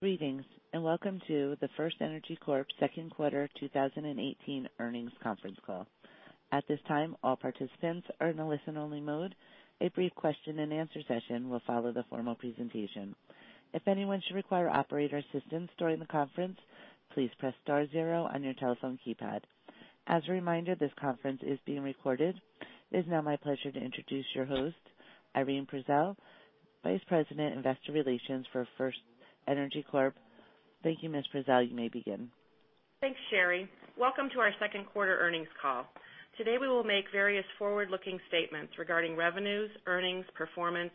Greetings, welcome to the FirstEnergy Corp second quarter 2018 earnings conference call. At this time, all participants are in a listen-only mode. A brief question-and-answer session will follow the formal presentation. If anyone should require operator assistance during the conference, please press star zero on your telephone keypad. As a reminder, this conference is being recorded. It is now my pleasure to introduce your host, Irene Prezelj, Vice President, Investor Relations for FirstEnergy Corp. Thank you, Ms. Prezelj. You may begin. Thanks, Sherry. Welcome to our second quarter earnings call. Today, we will make various forward-looking statements regarding revenues, earnings, performance,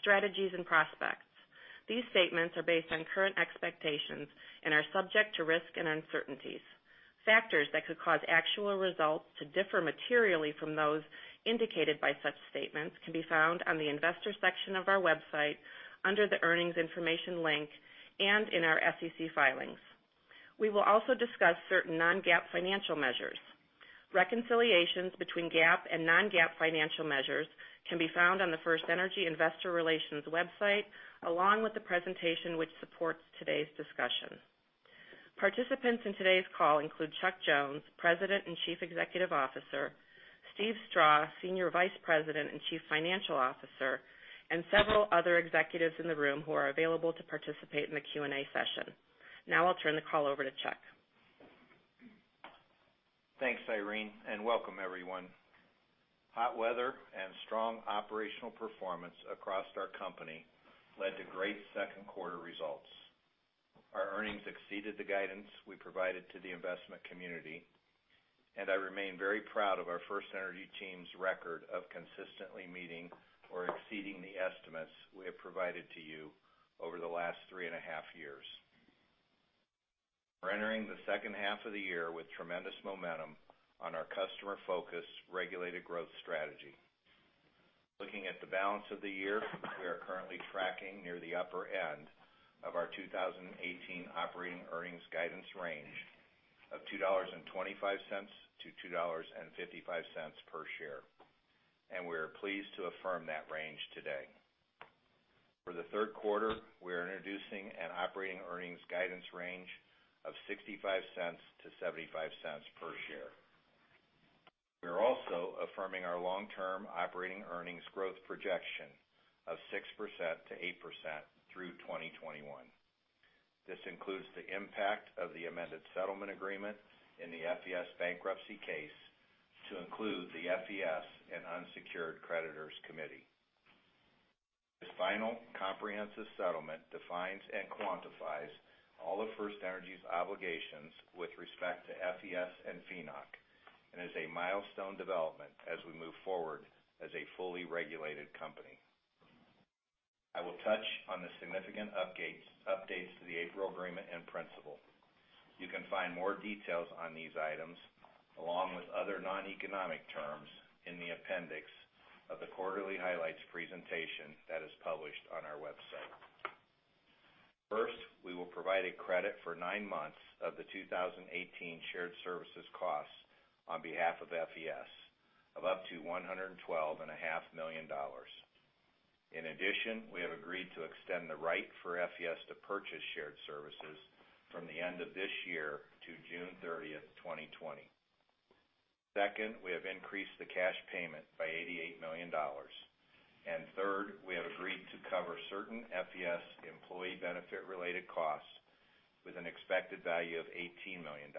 strategies, and prospects. These statements are based on current expectations and are subject to risk and uncertainties. Factors that could cause actual results to differ materially from those indicated by such statements can be found on the investor section of our website under the earnings information link and in our SEC filings. We will also discuss certain non-GAAP financial measures. Reconciliations between GAAP and non-GAAP financial measures can be found on the FirstEnergy investor relations website, along with the presentation which supports today's discussion. Participants in today's call include Chuck Jones, President and Chief Executive Officer, Steve Strah, Senior Vice President and Chief Financial Officer, and several other executives in the room who are available to participate in the Q&A session. I'll turn the call over to Chuck. Thanks, Irene, welcome everyone. Hot weather and strong operational performance across our company led to great second quarter results. Our earnings exceeded the guidance we provided to the investment community, and I remain very proud of our FirstEnergy team's record of consistently meeting or exceeding the estimates we have provided to you over the last three and a half years. We're entering the second half of the year with tremendous momentum on our customer-focused, regulated growth strategy. Looking at the balance of the year, we are currently tracking near the upper end of our 2018 operating earnings guidance range of $2.25-$2.55 per share, and we are pleased to affirm that range today. For the third quarter, we are introducing an operating earnings guidance range of $0.65-$0.75 per share. We are also affirming our long-term operating earnings growth projection of 6%-8% through 2021. This includes the impact of the amended settlement agreement in the FES bankruptcy case to include the FES and unsecured creditors committee. This final comprehensive settlement defines and quantifies all of FirstEnergy's obligations with respect to FES and FNOC and is a milestone development as we move forward as a fully regulated company. I will touch on the significant updates to the April agreement in principle. You can find more details on these items, along with other non-economic terms in the appendix of the quarterly highlights presentation that is published on our website. First, we will provide a credit for nine months of the 2018 shared services cost on behalf of FES of up to $112.5 million. In addition, we have agreed to extend the right for FES to purchase shared services from the end of this year to June 30th, 2020. Second, we have increased the cash payment by $88 million. Third, we have agreed to cover certain FES employee benefit-related costs with an expected value of $18 million,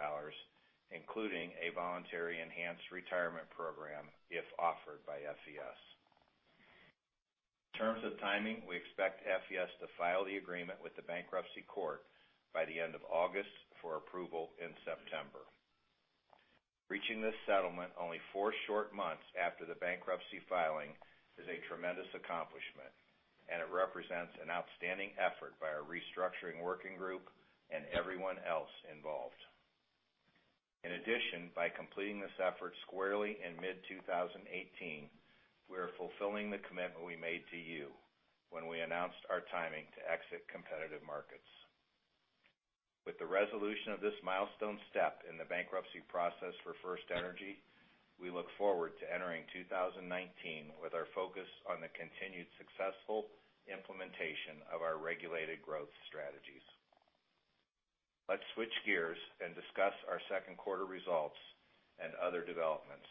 including a voluntary enhanced retirement program if offered by FES. In terms of timing, we expect FES to file the agreement with the bankruptcy court by the end of August for approval in September. Reaching this settlement only four short months after the bankruptcy filing is a tremendous accomplishment, and it represents an outstanding effort by our restructuring working group and everyone else involved. In addition, by completing this effort squarely in mid-2018, we are fulfilling the commitment we made to you when we announced our timing to exit competitive markets. With the resolution of this milestone step in the bankruptcy process for FirstEnergy, we look forward to entering 2019 with our focus on the continued successful implementation of our regulated growth strategies. Let's switch gears and discuss our second quarter results and other developments.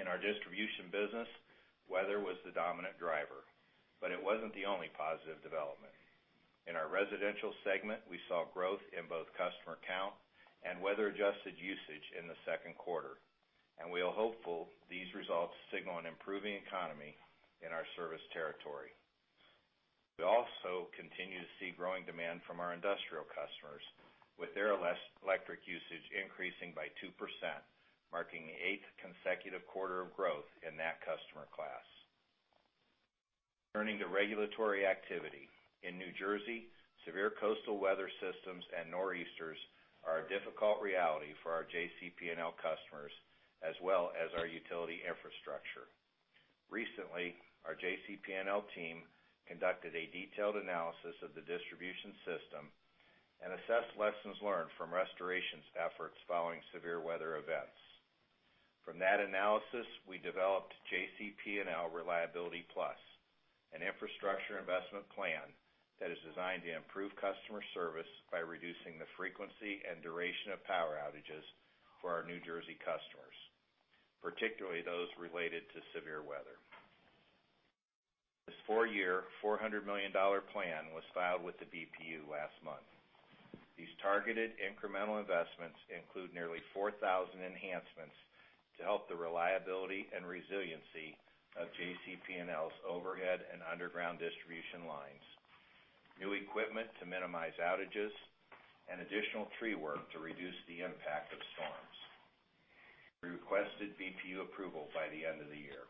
In our distribution business, weather was the dominant driver, but it wasn't the only positive development. In our residential segment, we saw growth in both customer count and weather-adjusted usage in the second quarter, and we are hopeful these results signal an improving economy in our service territory. We also continue to see growing demand from our industrial customers, with their electric usage increasing by 2%, marking the eighth consecutive quarter of growth in that customer class. Turning to regulatory activity. In New Jersey, severe coastal weather systems and nor'easters are a difficult reality for our JCP&L customers as well as our utility infrastructure. Recently, our JCP&L team conducted a detailed analysis of the distribution system and assessed lessons learned from restorations efforts following severe weather events. From that analysis, we developed JCP&L Reliability Plus, an infrastructure investment plan that is designed to improve customer service by reducing the frequency and duration of power outages for our New Jersey customers, particularly those related to severe weather. This four-year, $400 million plan was filed with the BPU last month. These targeted incremental investments include nearly 4,000 enhancements to help the reliability and resiliency of JCP&L's overhead and underground distribution lines, new equipment to minimize outages, and additional tree work to reduce the impact of storms. We requested BPU approval by the end of the year.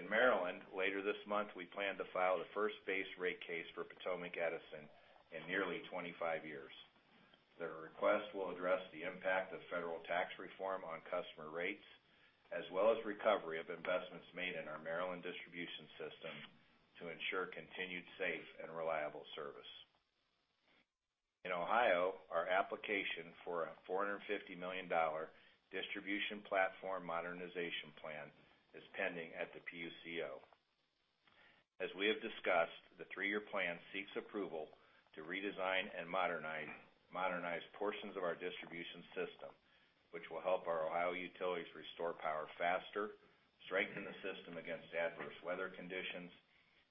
In Maryland, later this month, we plan to file the first base rate case for Potomac Edison in nearly 25 years. The request will address the impact of federal tax reform on customer rates, as well as recovery of investments made in our Maryland distribution system to ensure continued safe and reliable service. In Ohio, our application for a $450 million distribution platform modernization plan is pending at the PUCO. As we have discussed, the three-year plan seeks approval to redesign and modernize portions of our distribution system, which will help our Ohio utilities restore power faster, strengthen the system against adverse weather conditions,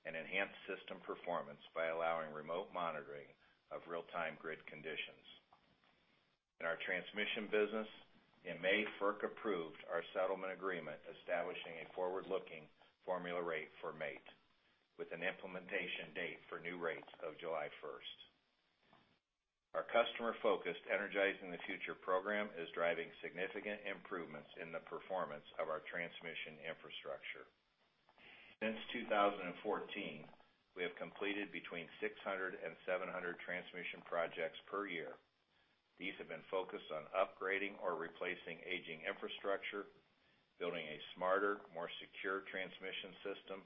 and enhance system performance by allowing remote monitoring of real-time grid conditions. In our transmission business, in May, FERC approved our settlement agreement establishing a forward-looking formula rate for MAIT, with an implementation date for new rates of July 1st. Our customer-focused Energizing the Future program is driving significant improvements in the performance of our transmission infrastructure. Since 2014, we have completed between 600 and 700 transmission projects per year. These have been focused on upgrading or replacing aging infrastructure, building a smarter, more secure transmission system,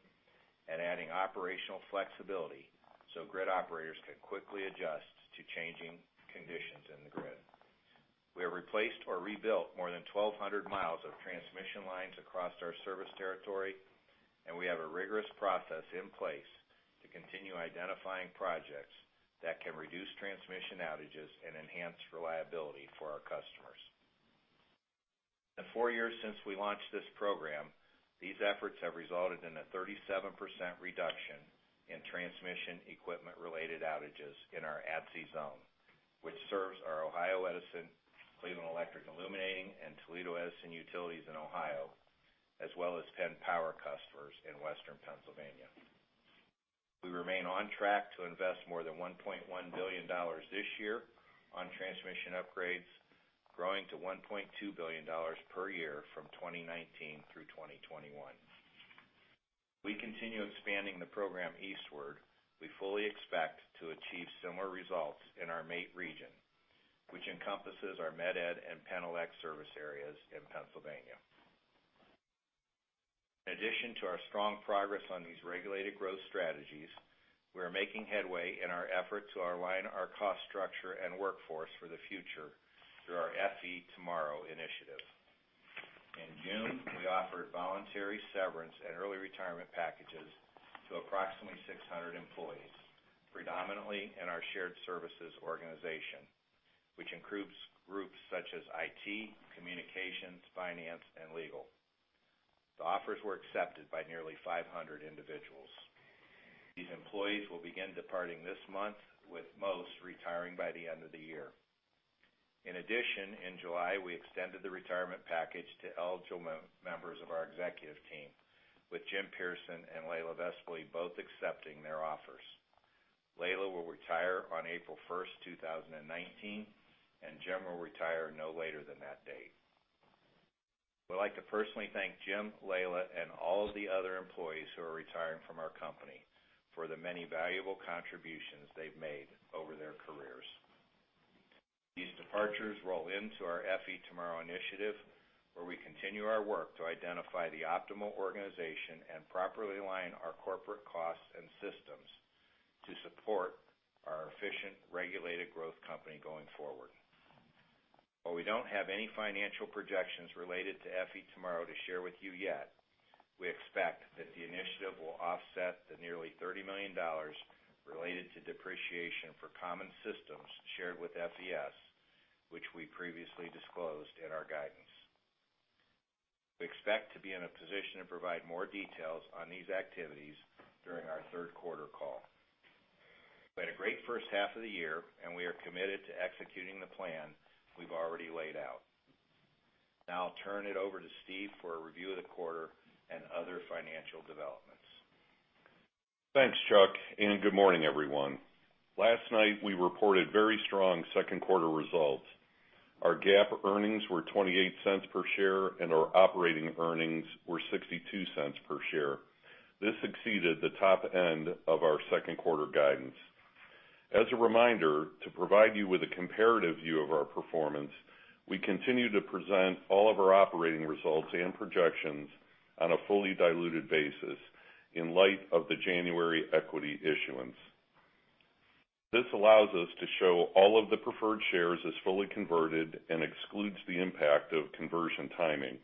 and adding operational flexibility so grid operators can quickly adjust to changing conditions in the grid. We have replaced or rebuilt more than 1,200 miles of transmission lines across our service territory, and we have a rigorous process in place to continue identifying projects that can reduce transmission outages and enhance reliability for our customers. In the four years since we launched this program, these efforts have resulted in a 37% reduction in transmission equipment-related outages in our ATSI zone, which serves our Ohio Edison, Cleveland Electric Illuminating, and Toledo Edison utilities in Ohio, as well as Penn Power customers in Western Pennsylvania. We remain on track to invest more than $1.1 billion this year on transmission upgrades, growing to $1.2 billion per year from 2019 through 2021. As we continue expanding the program eastward, we fully expect to achieve similar results in our MAIT region, which encompasses our Met-Ed and Penelec service areas in Pennsylvania. In addition to our strong progress on these regulated growth strategies, we are making headway in our effort to align our cost structure and workforce for the future through our FE Tomorrow initiative. In June, we offered voluntary severance and early retirement packages to approximately 600 employees, predominantly in our shared services organization, which includes groups such as IT, communications, finance, and legal. The offers were accepted by nearly 500 individuals. These employees will begin departing this month, with most retiring by the end of the year. In addition, in July, we extended the retirement package to eligible members of our executive team, with Jim Pearson and Leila Vespoli both accepting their offers. Leila will retire on April 1st, 2019, and Jim will retire no later than that date. We'd like to personally thank Jim, Leila, and all of the other employees who are retiring from our company for the many valuable contributions they've made over their careers. These departures roll into our FE Tomorrow initiative, where we continue our work to identify the optimal organization and properly align our corporate costs and systems to support our efficient, regulated growth company going forward. While we don't have any financial projections related to FE Tomorrow to share with you yet, we expect that the initiative will offset the nearly $30 million related to depreciation for common systems shared with FES, which we previously disclosed in our guidance. We expect to be in a position to provide more details on these activities during our third quarter call. We had a great first half of the year, and we are committed to executing the plan we've already laid out. Now I'll turn it over to Steve for a review of the quarter and other financial developments. Thanks, Chuck, and good morning, everyone. Last night, we reported very strong second quarter results. Our GAAP earnings were $0.28 per share, and our operating earnings were $0.62 per share. This exceeded the top end of our second quarter guidance. As a reminder, to provide you with a comparative view of our performance, we continue to present all of our operating results and projections on a fully diluted basis in light of the January equity issuance. This allows us to show all of the preferred shares as fully converted and excludes the impact of conversion timing.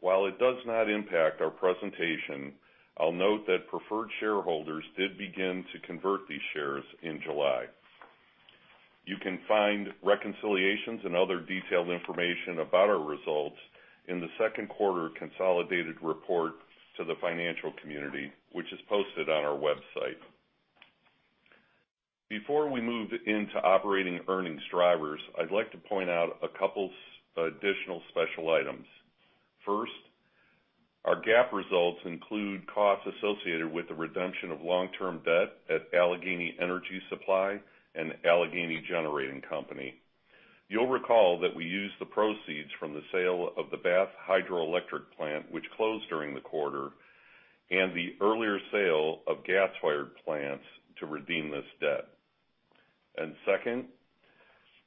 While it does not impact our presentation, I'll note that preferred shareholders did begin to convert these shares in July. You can find reconciliations and other detailed information about our results in the second quarter consolidated report to the financial community, which is posted on our website. Before we move into operating earnings drivers, I'd like to point out a couple additional special items. First, our GAAP results include costs associated with the redemption of long-term debt at Allegheny Energy Supply and Allegheny Generating Company. You'll recall that we used the proceeds from the sale of the Bath hydroelectric plant, which closed during the quarter, and the earlier sale of gas-fired plants to redeem this debt. Second,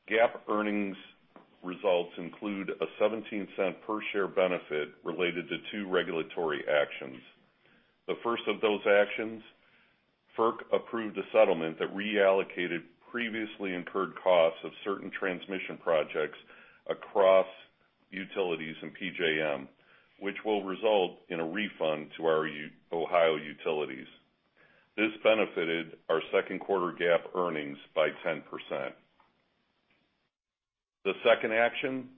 GAAP earnings results include a $0.17 per share benefit related to two regulatory actions. The first of those actions, FERC approved a settlement that reallocated previously incurred costs of certain transmission projects across utilities in PJM, which will result in a refund to our Ohio utilities. This benefited our second quarter GAAP earnings by 10%. The second action,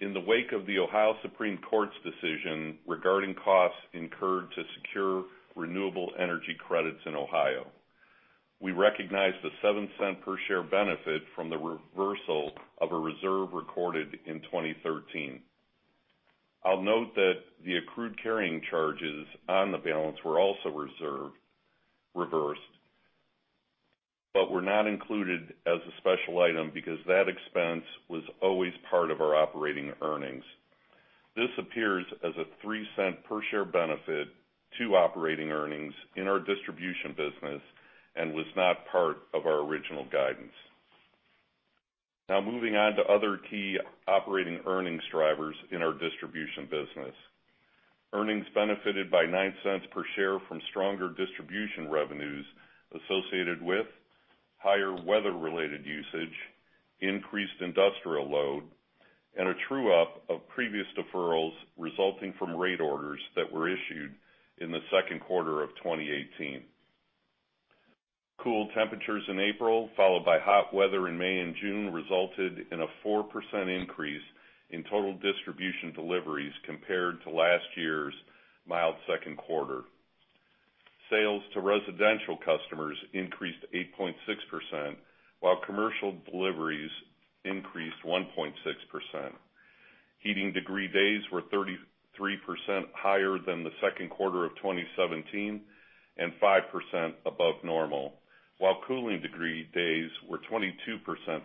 in the wake of the Supreme Court of Ohio's decision regarding costs incurred to secure renewable energy credits in Ohio, we recognized a $0.07 per share benefit from the reversal of a reserve recorded in 2013. I'll note that the accrued carrying charges on the balance were also reversed, but were not included as a special item because that expense was always part of our operating earnings. This appears as a $0.03 per share benefit to operating earnings in our distribution business and was not part of our original guidance. Moving on to other key operating earnings drivers in our distribution business. Earnings benefited by $0.09 per share from stronger distribution revenues associated with higher weather-related usage, increased industrial load, and a true-up of previous deferrals resulting from rate orders that were issued in the second quarter of 2018. Cool temperatures in April, followed by hot weather in May and June, resulted in a 4% increase in total distribution deliveries compared to last year's mild second quarter. Sales to residential customers increased 8.6%, while commercial deliveries increased 1.6%. Heating degree days were 33% higher than the second quarter of 2017, and 5% above normal, while cooling degree days were 22%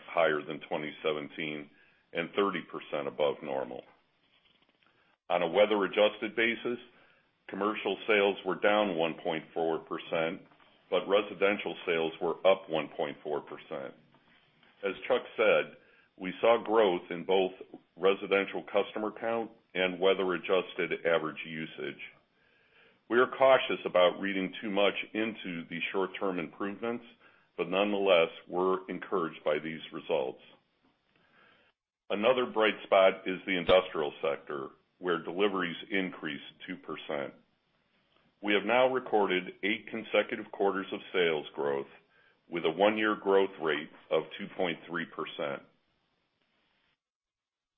higher than 2017 and 30% above normal. On a weather-adjusted basis, commercial sales were down 1.4%, but residential sales were up 1.4%. As Chuck said, we saw growth in both residential customer count and weather-adjusted average usage. We are cautious about reading too much into these short-term improvements, but nonetheless, we're encouraged by these results. Another bright spot is the industrial sector, where deliveries increased 2%. We have now recorded eight consecutive quarters of sales growth with a one-year growth rate of 2.3%.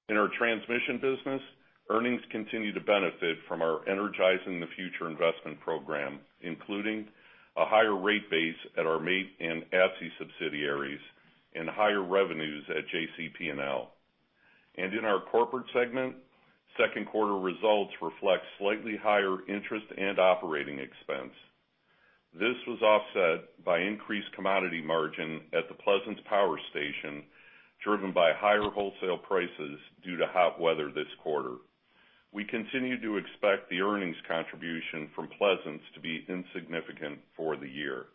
In our transmission business, earnings continue to benefit from our Energizing the Future investment program, including a higher rate base at our MAIT and ATSI subsidiaries and higher revenues at JCP&L. In our corporate segment, second quarter results reflect slightly higher interest and operating expense. This was offset by increased commodity margin at the Pleasants Power Station, driven by higher wholesale prices due to hot weather this quarter. We continue to expect the earnings contribution from Pleasants to be insignificant for the year.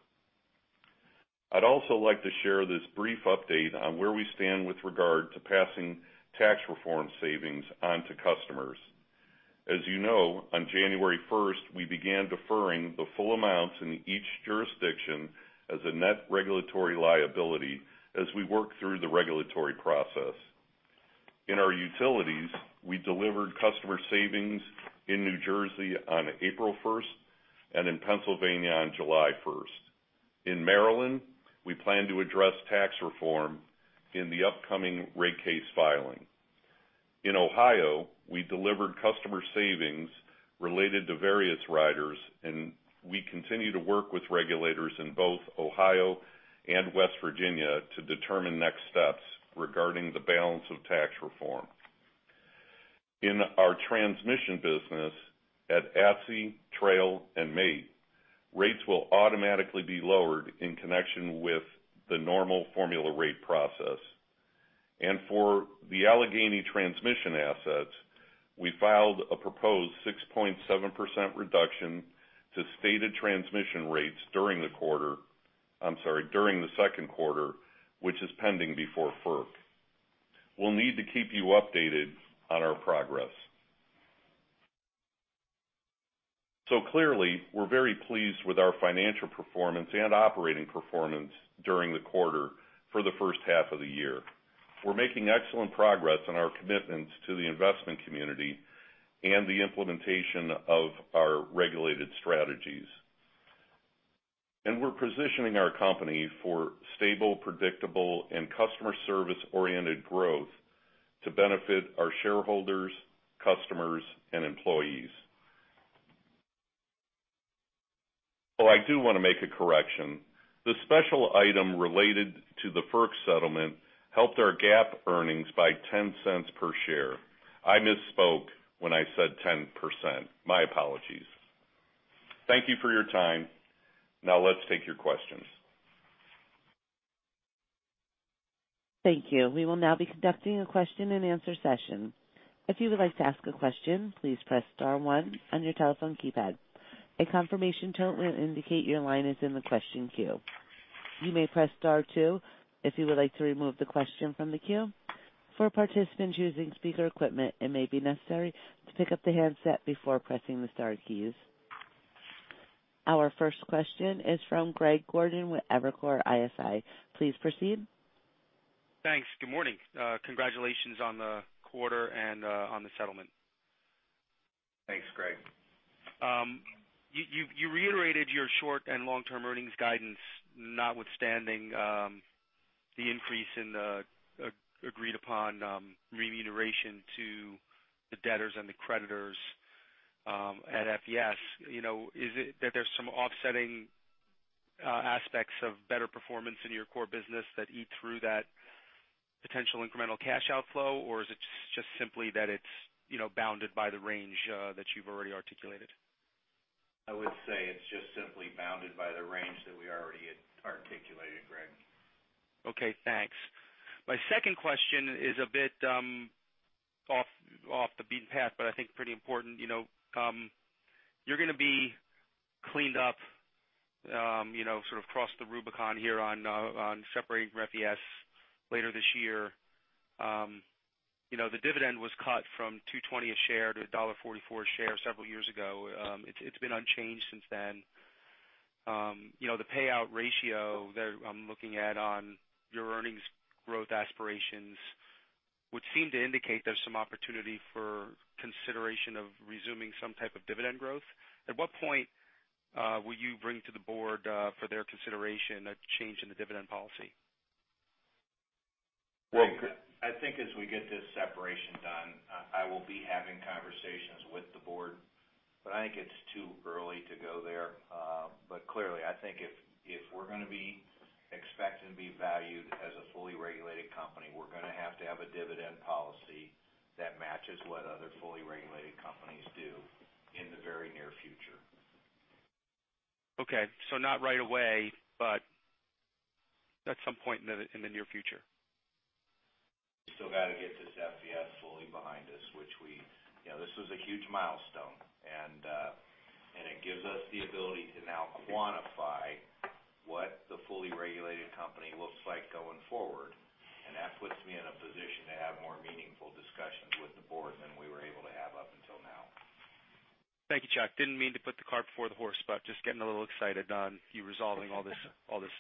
I'd also like to share this brief update on where we stand with regard to passing tax reform savings on to customers. As you know, on January 1st, we began deferring the full amounts in each jurisdiction as a net regulatory liability as we work through the regulatory process. In our utilities, we delivered customer savings in New Jersey on April 1st and in Pennsylvania on July 1st. In Maryland, we plan to address tax reform in the upcoming rate case filing. In Ohio, we delivered customer savings related to various riders, and we continue to work with regulators in both Ohio and West Virginia to determine next steps regarding the balance of tax reform. In our transmission business at ATSI, TrAIL, and MAIT, rates will automatically be lowered in connection with the normal formula rate process. For the Allegheny transmission assets, we filed a proposed 6.7% reduction to stated transmission rates during the second quarter, which is pending before FERC. We'll need to keep you updated on our progress. Clearly, we're very pleased with our financial performance and operating performance during the quarter for the first half of the year. We're making excellent progress on our commitments to the investment community and the implementation of our regulated strategies. We're positioning our company for stable, predictable, and customer service-oriented growth to benefit our shareholders, customers, and employees. Oh, I do want to make a correction. The special item related to the FERC settlement helped our GAAP earnings by $0.10 per share. I misspoke when I said 10%. My apologies. Thank you for your time. Let's take your questions. Thank you. We will now be conducting a question and answer session. If you would like to ask a question, please press star one on your telephone keypad. A confirmation tone will indicate your line is in the question queue. You may press star two if you would like to remove the question from the queue. For participants using speaker equipment, it may be necessary to pick up the handset before pressing the star keys. Our first question is from Greg Gordon with Evercore ISI. Please proceed. Thanks. Good morning. Congratulations on the quarter and on the settlement. Thanks, Greg. You reiterated your short and long-term earnings guidance, notwithstanding the increase in the agreed-upon remuneration to the debtors and the creditors at FES. There's some offsetting aspects of better performance in your core business that eat through that potential incremental cash outflow, or is it just simply that it's bounded by the range that you've already articulated? I would say it's just simply bounded by the range that we already had articulated, Greg. Okay, thanks. My second question is a bit off the beaten path, but I think pretty important. You're going to be cleaned up, sort of cross the Rubicon here on separating from FES later this year. The dividend was cut from $2.20 a share to $1.44 a share several years ago. It's been unchanged since then. The payout ratio that I'm looking at on your earnings growth aspirations would seem to indicate there's some opportunity for consideration of resuming some type of dividend growth. At what point will you bring to the board for their consideration a change in the dividend policy? Well, I think as we get this separation done, I will be having conversations with the board. I think it's too early to go there. Clearly, I think if we're going to be expected to be valued as a fully regulated company, we're going to have to have a dividend policy that matches what other fully regulated companies do in the very near future. Okay. Not right away, but at some point in the near future. We still got to get this FES fully behind us. This was a huge milestone. It gives us the ability to now quantify what the fully regulated company looks like going forward. That puts me in a position to have more meaningful discussions with the board than we were able to have up until now. Thank you, Chuck. Didn't mean to put the cart before the horse, just getting a little excited on you resolving all this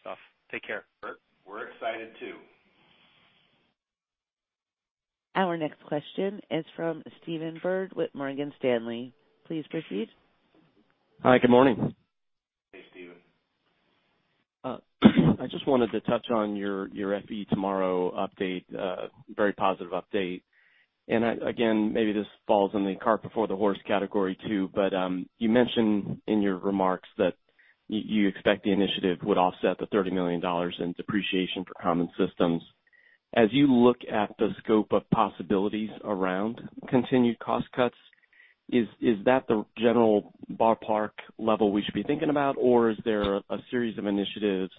stuff. Take care. We're excited too. Our next question is from Stephen Byrd with Morgan Stanley. Please proceed. Hi, good morning. Hey, Stephen. I just wanted to touch on your FE Tomorrow update. Very positive update. Again, maybe this falls in the cart before the horse category too, but you mentioned in your remarks that you expect the initiative would offset the $30 million in depreciation for common systems. As you look at the scope of possibilities around continued cost cuts, is that the general ballpark level we should be thinking about, or is there a series of initiatives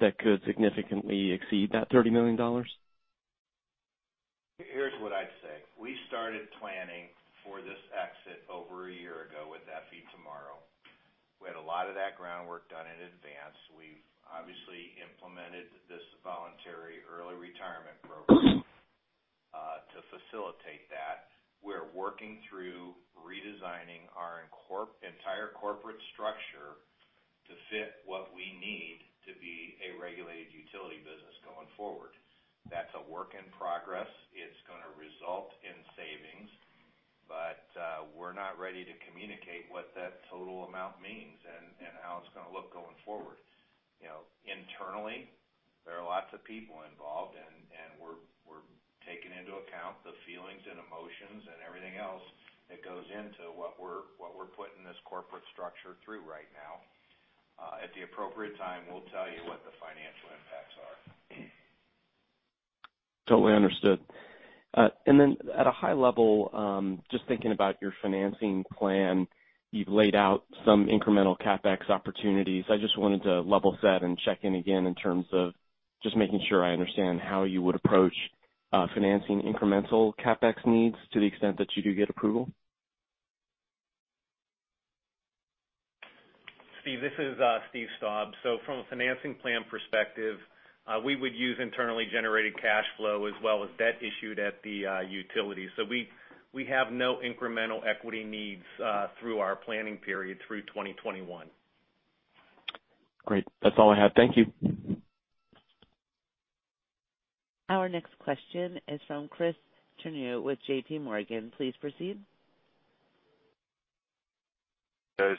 that could significantly exceed that $30 million? Here's what I'd say. We started planning for this exit over a year ago with FE Tomorrow. We had a lot of that groundwork done in advance. We've obviously implemented this voluntary early retirement program to facilitate that. We're working through redesigning our entire corporate structure to fit what we need to be a regulated utility business going forward. That's a work in progress. It's going to result in savings, we're not ready to communicate what that total amount means and how it's going to look going forward. Internally, there are lots of people involved, we're taking into account the feelings and emotions and everything else that goes into what we're putting this corporate structure through right now. At the appropriate time, we'll tell you what the financial impacts are. Totally understood. Then at a high level, just thinking about your financing plan, you've laid out some incremental CapEx opportunities. I just wanted to level set and check in again in terms of just making sure I understand how you would approach financing incremental CapEx needs to the extent that you do get approval. Steve, this is Steve Strah. From a financing plan perspective, we would use internally generated cash flow as well as debt issued at the utility. We have no incremental equity needs through our planning period through 2021. Great. That's all I have. Thank you. Our next question is from Chris Turnure with JPMorgan. Please proceed. Yes.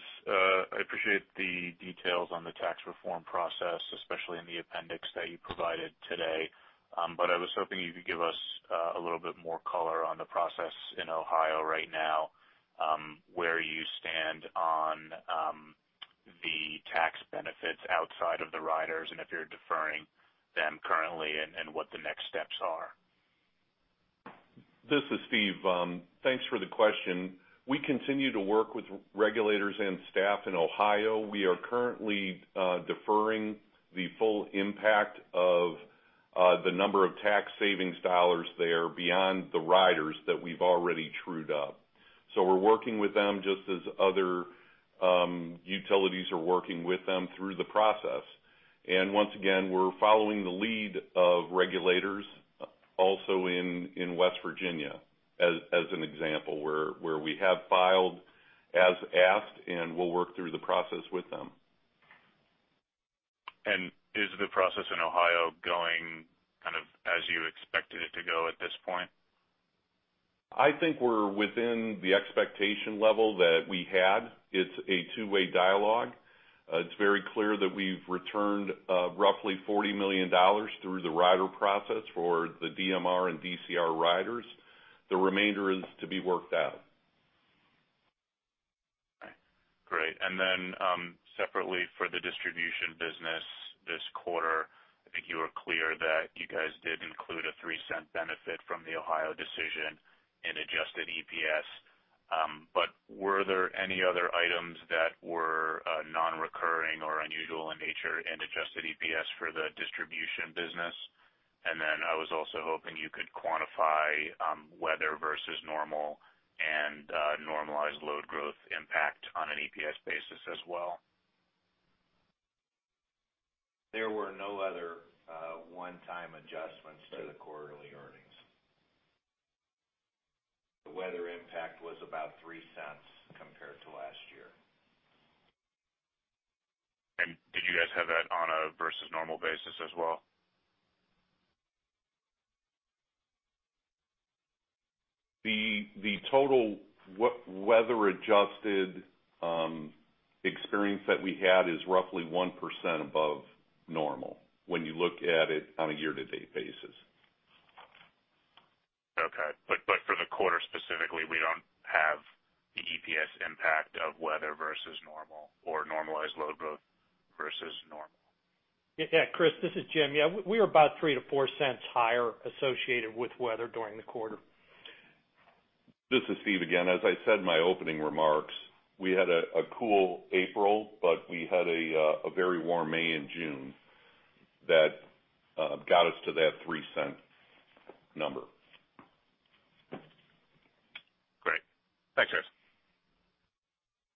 I appreciate the details on the tax reform process, especially in the appendix that you provided today. I was hoping you could give us a little bit more color on the process in Ohio right now, where you stand on the tax benefits outside of the riders and if you're deferring them currently and what the next steps are. This is Steve. Thanks for the question. We continue to work with regulators and staff in Ohio. We are currently deferring the full impact of the number of tax savings dollars there beyond the riders that we've already trued up. We're working with them just as other utilities are working with them through the process. Once again, we're following the lead of regulators also in West Virginia as an example, where we have filed as asked, and we'll work through the process with them. Is the process in Ohio going kind of as you expected it to go at this point? I think we're within the expectation level that we had. It's a two-way dialogue. It's very clear that we've returned roughly $40 million through the rider process for the DMR and DCR riders. The remainder is to be worked out. Great. Separately for the distribution business this quarter, I think you were clear that you guys did include a $0.03 benefit from the Ohio decision in adjusted EPS. Were there any other items that were non-recurring or unusual in nature in adjusted EPS for the distribution business? I was also hoping you could quantify weather versus normal and normalized load growth impact on an EPS basis as well. There were no other one-time adjustments to the quarterly earnings. The weather impact was about $0.03 compared to last year. Did you guys have that on a versus normal basis as well? The total weather-adjusted experience that we had is roughly 1% above normal when you look at it on a year-to-date basis. Okay. For the quarter specifically, we don't have the EPS impact of weather versus normal or normalized load growth versus normal. Yeah, Chris, this is Jim. Yeah, we are about $0.03-$0.04 higher associated with weather during the quarter. This is Steve again. As I said in my opening remarks, we had a cool April, we had a very warm May and June that got us to that $0.03 number. Great. Thanks, guys.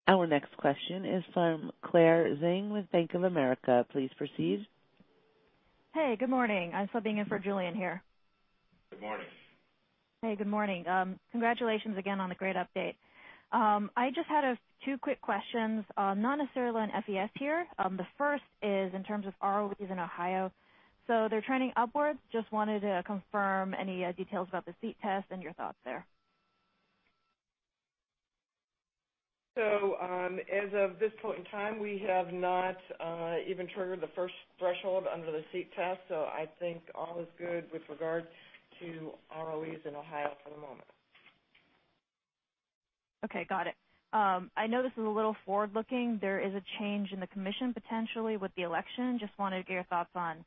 Our next question is from Julien Dumoulin-Smith with Bank of America. Please proceed. Hey, good morning. I'm subbing in for Julien here. Good morning. Hey, good morning. Congratulations again on the great update. I just had two quick questions, not necessarily on FES here. The first is in terms of ROEs in Ohio. They're trending upwards. Just wanted to confirm any details about the SEET test and your thoughts there. As of this point in time, we have not even triggered the first threshold under the SEET test. I think all is good with regard to ROEs in Ohio for the moment. Okay, got it. I know this is a little forward-looking. There is a change in the commission potentially with the election. Just wanted to get your thoughts on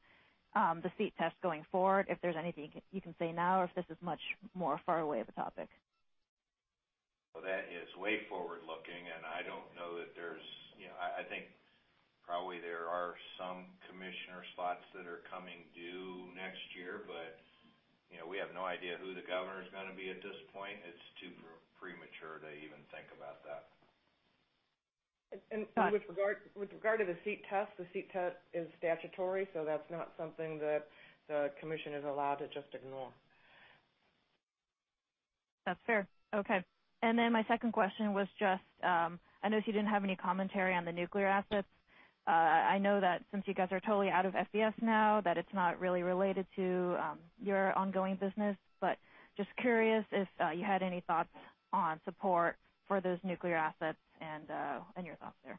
the SEET test going forward, if there's anything you can say now or if this is much more far away of a topic. Well, that is way forward-looking. I don't know that I think probably there are some commissioner spots that are coming due next year. We have no idea who the governor's going to be at this point. It's too premature to even think about that. With regard to the SEET test, the SEET test is statutory. That's not something that the commission is allowed to just ignore. That's fair. Okay. My second question was just, I noticed you didn't have any commentary on the nuclear assets. I know that since you guys are totally out of FES now, that it's not really related to your ongoing business. Just curious if you had any thoughts on support for those nuclear assets and your thoughts there.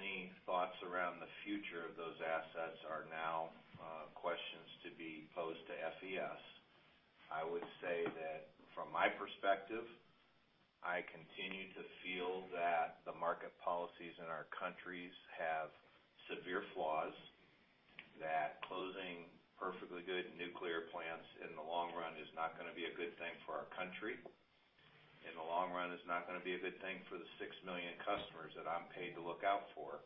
Any thoughts around the future of those assets are now questions to be posed to FES. I would say that from my perspective, I continue to feel that the market policies in our countries have severe flaws, that closing perfectly good nuclear plants in the long run isn't going to be a good thing for our country. In the long run, it isn't going to be a good thing for the six million customers that I'm paid to look out for.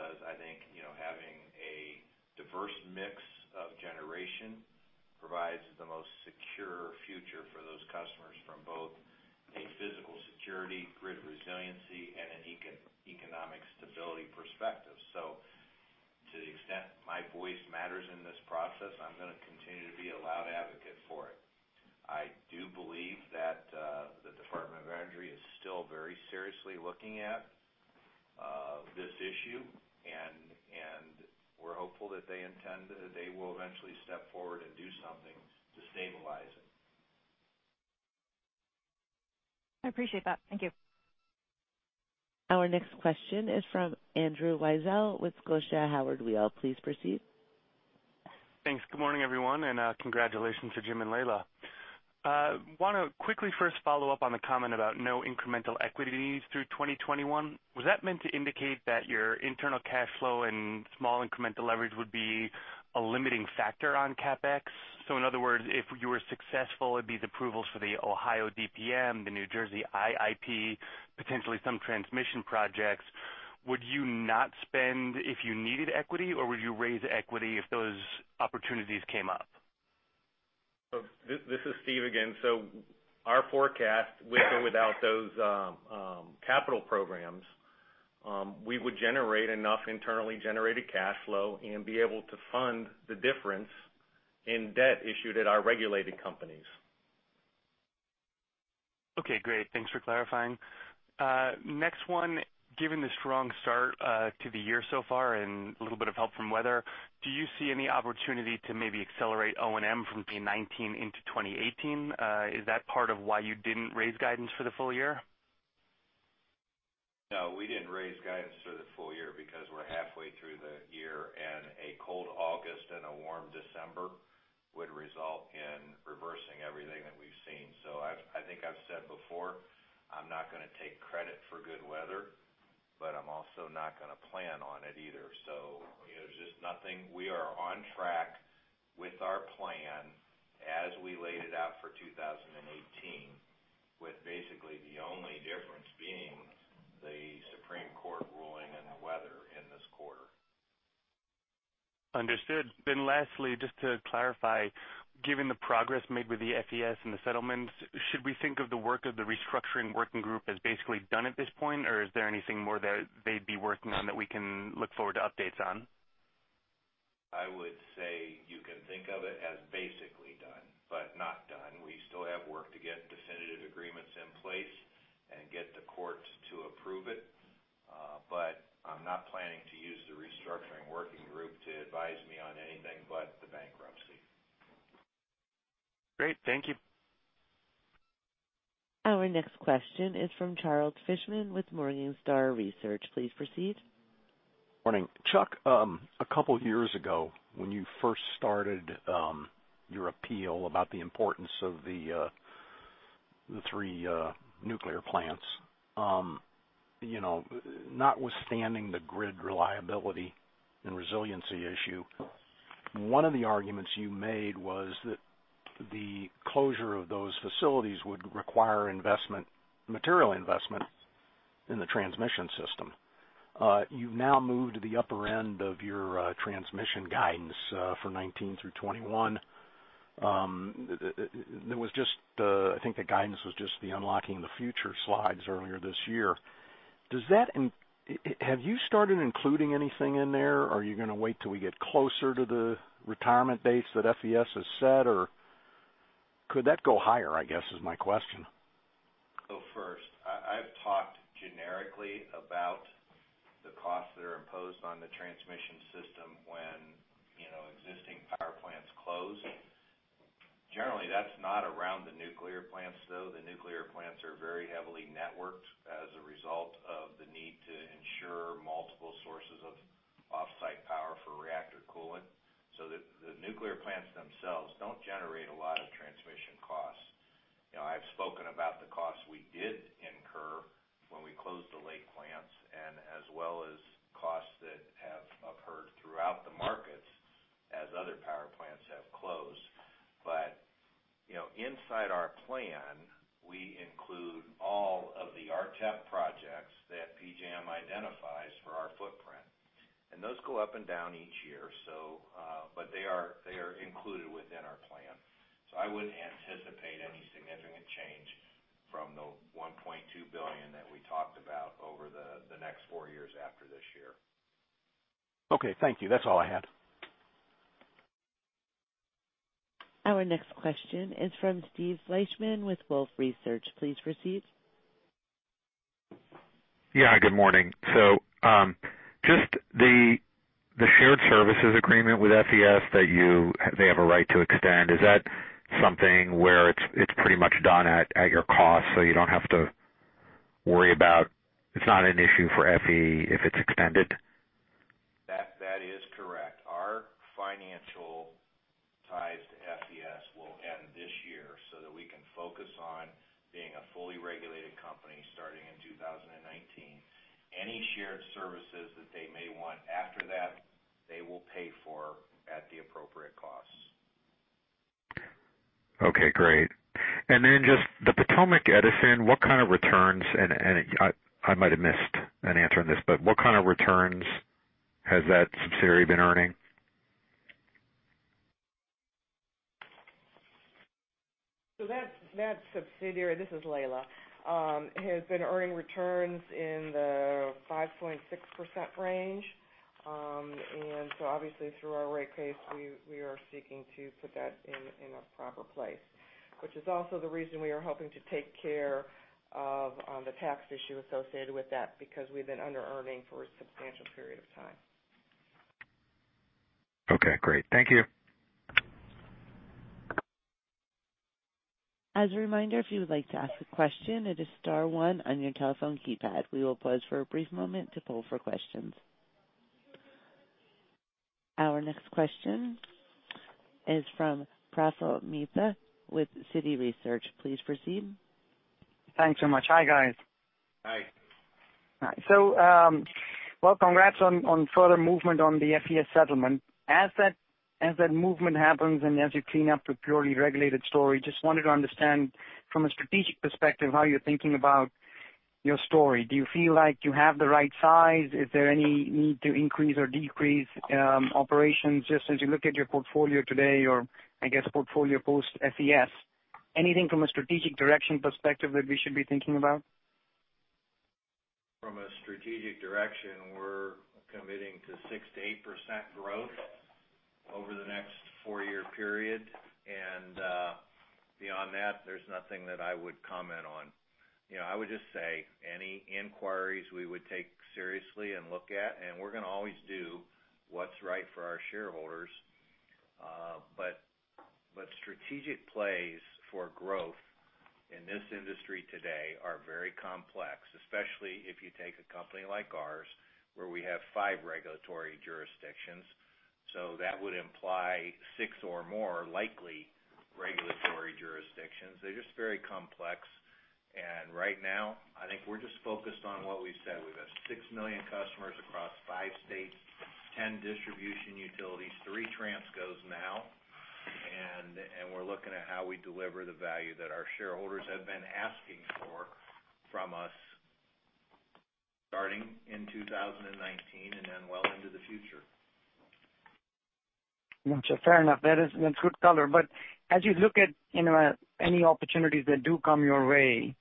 I think, having a diverse mix of generation provides the most secure future for those customers from both a physical security, grid resiliency, and an economic stability perspective. To the extent my voice matters in this process, I'm going to continue to be a loud advocate for it. I do believe that the Department of Energy is still very seriously looking at this issue, we're hopeful that they intend that they will eventually step forward and do something to stabilize it. I appreciate that. Thank you. Our next question is from Andrew Weisel with Scotiabank Howard Weil. Please proceed. Thanks. Good morning, everyone, and congratulations to Jim and Leila. I want to quickly first follow up on the comment about no incremental equity needs through 2021. Was that meant to indicate that your internal cash flow and small incremental leverage would be a limiting factor on CapEx? In other words, if you were successful at these approvals for the Ohio DPM, the New Jersey IIP, potentially some transmission projects, would you not spend if you needed equity, or would you raise equity if those opportunities came up? This is Steve again. Our forecast, with or without those capital programs, we would generate enough internally generated cash flow and be able to fund the difference in debt issued at our regulated companies. Okay, great. Thanks for clarifying. Next one, given the strong start to the year so far and a little bit of help from weather, do you see any opportunity to maybe accelerate O&M from 2019 into 2018? Is that part of why you didn't raise guidance for the full year? We didn't raise guidance for the full year because we're halfway through the year, and a cold August and a warm December would result in reversing everything that we've seen. I think I've said before, I'm not going to take credit for good weather, but I'm also not going to plan on it either. There's just nothing. We are on track with our plan as we laid it out for 2018, with basically the only difference being the Supreme Court ruling and the weather in this quarter. Lastly, just to clarify, given the progress made with the FES and the settlements, should we think of the work of the restructuring working group as basically done at this point, or is there anything more that they'd be working on that we can look forward to updates on? I would say you can think of it as basically done, but not done. We still have work to get definitive agreements in place and get the courts to approve it. I'm not planning to use the restructuring working group to advise me on anything but the bankruptcy. Great. Thank you. Our next question is from Charles Fishman with Morningstar Research. Please proceed. Morning. Chuck, a couple of years ago, when you first started your appeal about the importance of the three nuclear plants. Notwithstanding the grid reliability and resiliency issue, one of the arguments you made was that the closure of those facilities would require material investment in the transmission system. You've now moved the upper end of your transmission guidance from 2019 through 2021. I think the guidance was just the Energizing the Future slides earlier this year. Have you started including anything in there? Are you going to wait till we get closer to the retirement dates that FES has set, or could that go higher, I guess is my question. First, I've talked generically about the costs that are imposed on the transmission system when existing power plants close. Generally, that's not around the nuclear plants, though. The nuclear plants are very heavily networked as a result of the need to ensure multiple sources of off-site power for reactor cooling. The nuclear plants themselves don't generate a lot of transmission costs. I've spoken about the costs we did incur when we closed the lake plants, as well as costs that have occurred throughout the markets as other power plants have closed. Inside our plan, we include all of the RTEP projects that PJM identifies for our footprint. Those go up and down each year, but they are included within our plan. I wouldn't anticipate any significant change from the $1.2 billion that we talked about over the next four years after this year. Okay. Thank you. That's all I had. Our next question is from Steve Fleishman with Wolfe Research. Please proceed. Yeah, good morning. Just the shared services agreement with FES that they have a right to extend, is that something where it's pretty much done at your cost, you don't have to worry about, it's not an issue for FE if it's extended? That is correct. Our financial ties to FES will end this year so that we can focus on being a fully regulated company starting in 2019. Any shared services that they may want after that, they will pay for at the appropriate costs. Okay, great. Just the Potomac Edison, I might have missed an answer on this, what kind of returns has that subsidiary been earning? That subsidiary, this is Leila, has been earning returns in the 5.6% range. Obviously through our rate case, we are seeking to put that in a proper place. Which is also the reason we are hoping to take care of the tax issue associated with that, because we've been under-earning for a substantial period of time. Okay, great. Thank you. As a reminder, if you would like to ask a question, it is star one on your telephone keypad. We will pause for a brief moment to poll for questions. Our next question is from Praful Mehta with Citi Research. Please proceed. Thanks much. Hi, guys. Hi. Hi. Well, congrats on further movement on the FES settlement. As that movement happens and as you clean up the purely regulated story, just wanted to understand from a strategic perspective how you're thinking about your story. Do you feel like you have the right size? Is there any need to increase or decrease operations just as you look at your portfolio today, or I guess portfolio post FES? Anything from a strategic direction perspective that we should be thinking about? From a strategic direction, we're committing to 6% to 8% growth over the next four-year period. Beyond that, there's nothing that I would comment on. I would just say any inquiries we would take seriously and look at. We're going to always do what's right for our shareholders. Strategic plays for growth in this industry today are very complex, especially if you take a company like ours where we have five regulatory jurisdictions. That would imply six or more likely regulatory jurisdictions. They're just very complex. Right now, I think we're just focused on what we said. We've got 6 million customers across five states, 10 distribution utilities, three transcos now, and we're looking at how we deliver the value that our shareholders have been asking for from us starting in 2019 and then well into the future. Gotcha. Fair enough. That's good color. As you look at any opportunities that do come your way,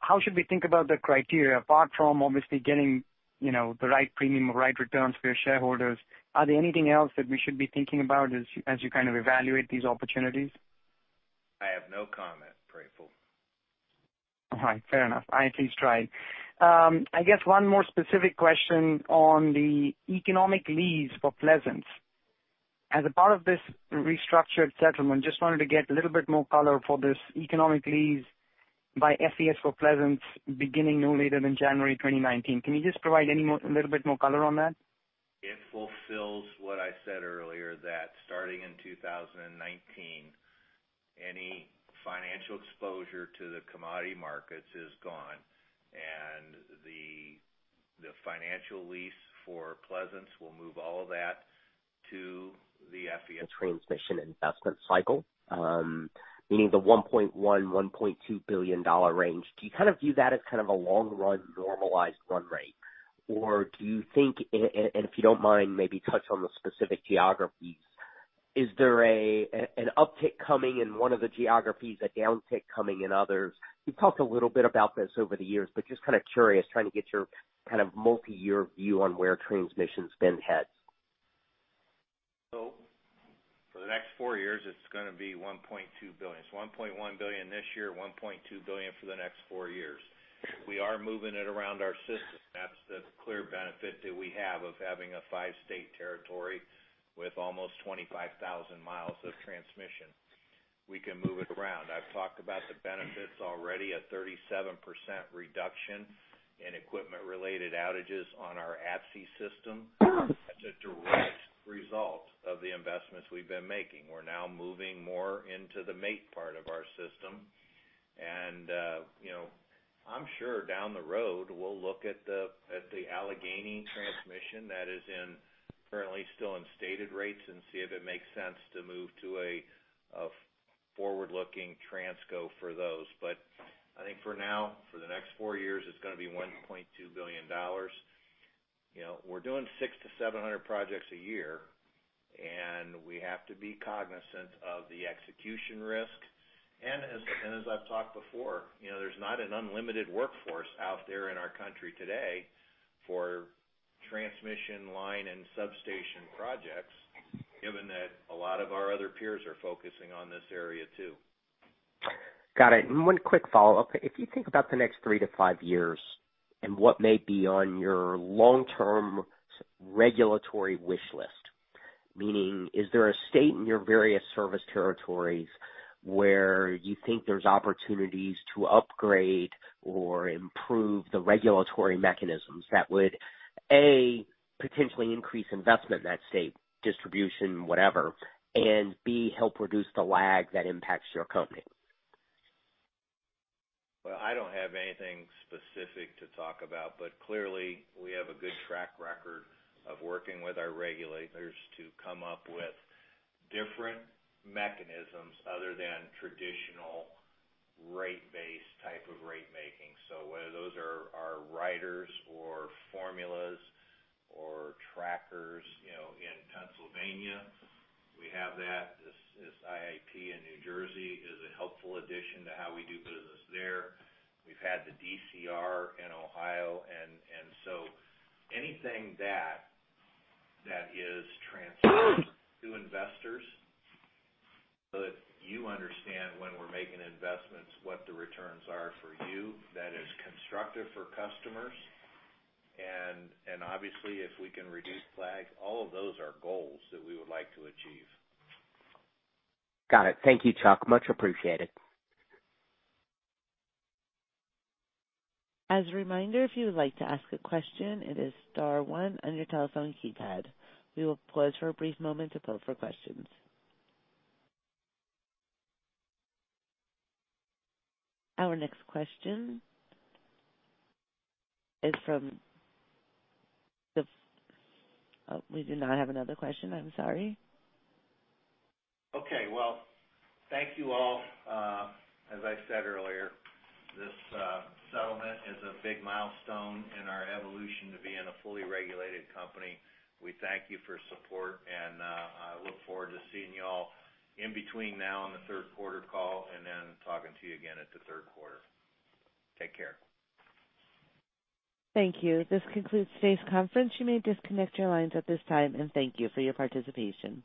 how should we think about the criteria, apart from obviously getting the right premium or right returns for your shareholders? Are there anything else that we should be thinking about as you kind of evaluate these opportunities? I have no comment, Praful. All right. Fair enough. I at least tried. I guess one more specific question on the economic lease for Pleasants. As a part of this restructured settlement, just wanted to get a little bit more color for this economic lease by FES for Pleasants beginning no later than January 2019. Can you just provide a little bit more color on that? It fulfills what I said earlier, that starting in 2019, any financial exposure to the commodity markets is gone, and the financial lease for Pleasants will move all of that to the FES- Transmission investment cycle, meaning the $1.1 billion-$1.2 billion range. Do you kind of view that as kind of a long-run normalized run rate? If you don't mind, maybe touch on the specific geographies. Is there an uptick coming in one of the geographies, a downtick coming in others? You've talked a little bit about this over the years, but just kind of curious, trying to get your kind of multi-year view on where transmission's been headed. For the next four years, it's going to be $1.2 billion. $1.1 billion this year, $1.2 billion for the next four years. We are moving it around our system. That's the clear benefit that we have of having a five-state territory with almost 25,000 miles of transmission. We can move it around. I've talked about the benefits already, a 37% reduction in equipment-related outages on our ATSI system. That's a direct result of the investments we've been making. We're now moving more into the MAIT part of our system. I'm sure down the road, we'll look at the Allegheny transmission that is currently still in stated rates and see if it makes sense to move to a forward-looking transco for those. I think for now, for the next four years, it's going to be $1.2 billion. We're doing 600-700 projects a year, we have to be cognizant of the execution risk. As I've talked before, there's not an unlimited workforce out there in our country today for transmission line and substation projects, given that a lot of our other peers are focusing on this area too. Got it. One quick follow-up. If you think about the next three to five years and what may be on your long-term regulatory wish list, meaning, is there a state in your various service territories where you think there's opportunities to upgrade or improve the regulatory mechanisms that would, A, potentially increase investment in that state, distribution, whatever, and B, help reduce the lag that impacts your company? Well, I don't have anything specific to talk about, clearly we have a good track record of working with our regulators to come up with different mechanisms other than traditional rate-based type of rate making. Whether those are riders or formulas or trackers. In Pennsylvania, we have that. This IIP in New Jersey is a helpful addition to how we do business there. We've had the DCR in Ohio, anything that is transparent to investors, so that you understand when we're making investments, what the returns are for you that is constructive for customers. Obviously if we can reduce lag, all of those are goals that we would like to achieve. Got it. Thank you, Chuck. Much appreciated. As a reminder, if you would like to ask a question, it is star one on your telephone keypad. We will pause for a brief moment to poll for questions. Our next question is Oh, we do not have another question. I'm sorry. Okay. Well, thank you all. As I said earlier, this settlement is a big milestone in our evolution to being a fully regulated company. We thank you for support and I look forward to seeing you all in between now and the third quarter call, and then talking to you again at the third quarter. Take care. Thank you. This concludes today's conference. You may disconnect your lines at this time, and thank you for your participation.